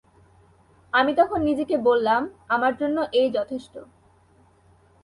আমি তখন নিজেকে বললাম, আমার জন্য এই যথেষ্ট।